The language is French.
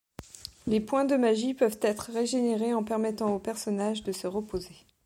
Les points de magie peuvent être régénérés en permettant aux personnages de se reposer.